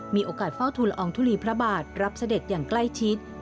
มีโอกาสเฝ้าทุนละอองทุลีพระบาทรับเสด็จอย่างใกล้ชิด